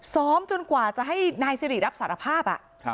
จนกว่าจะให้นายสิริรับสารภาพ